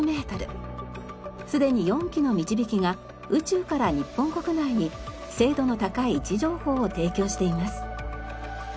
すでに４機のみちびきが宇宙から日本国内に精度の高い位置情報を提供しています。